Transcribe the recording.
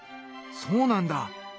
そうなんだ！